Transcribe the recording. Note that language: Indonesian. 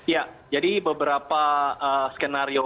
ya jadi beberapa skenario